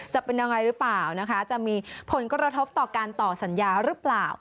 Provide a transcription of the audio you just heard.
จะเป็นยังไงหรือเปล่านะคะจะมีผลกระทบต่อการต่อสัญญาหรือเปล่า